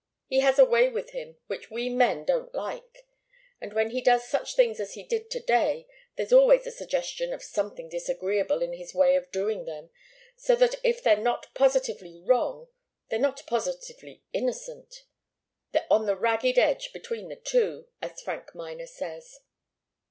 He has a way with him which we men don't like. And when he does such things as he did to day there's always a suggestion of something disagreeable in his way of doing them, so that if they're not positively wrong, they're not positively innocent. They're on the ragged edge between the two, as Frank Miner says."